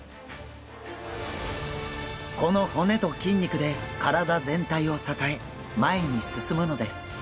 この骨と筋肉で体全体を支え前に進むのです。